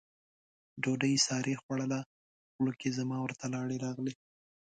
ډوډۍ سارې خوړله، خوله کې زما ورته لاړې راغلې.